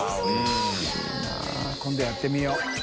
Ｅやってみよう。